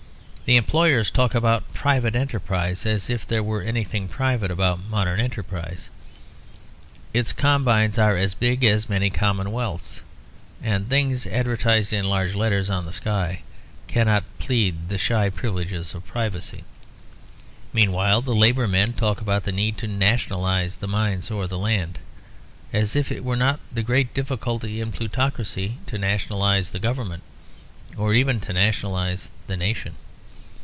The employers talk about "private enterprise," as if there were anything private about modern enterprise. Its combines are as big as many commonwealths; and things advertised in large letters on the sky cannot plead the shy privileges of privacy. Meanwhile the Labour men talk about the need to "nationalise" the mines or the land, as if it were not the great difficulty in a plutocracy to nationalise the Government, or even to nationalise the nation.